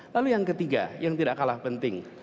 lalu yang ketiga yang tidak kalah penting